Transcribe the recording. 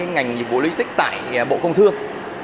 ngành dịch vụ logistic tại bộ công thương